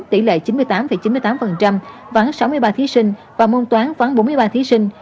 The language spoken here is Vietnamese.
tỷ lệ chín mươi tám chín mươi tám vắng sáu mươi ba thí sinh và môn toán vắng bốn mươi ba thí sinh